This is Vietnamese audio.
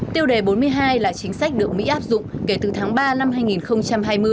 tiêu đề bốn mươi hai là chính sách được mỹ áp dụng kể từ tháng ba năm hai nghìn hai mươi